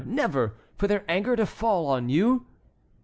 never! For their anger to fall on you?"